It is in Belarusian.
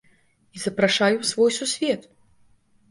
І запрашаю у свой сусвет!